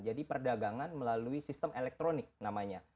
jadi perdagangan melalui sistem elektronik namanya